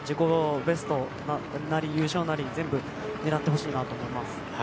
ベストなり優勝なり全部狙ってほしいなと思います。